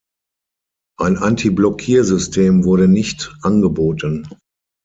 Ein Antiblockiersystem wurde nicht angeboten.